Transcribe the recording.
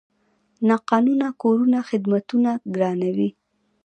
ناقانونه کورونه خدمتونه ګرانوي.